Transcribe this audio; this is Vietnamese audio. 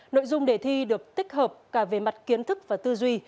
nội dung đề thi được tích hợp cả về mặt kiến thức và tư duy